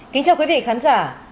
kính chào quý vị khán giả